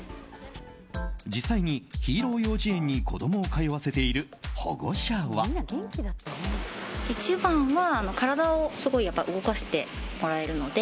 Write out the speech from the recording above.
実際にヒーロー幼児園に子供を通わせている保護者は。